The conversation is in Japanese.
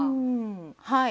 はい。